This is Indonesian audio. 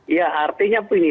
ya artinya begini